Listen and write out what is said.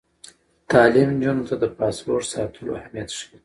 تعلیم نجونو ته د پاسورډ ساتلو اهمیت ښيي.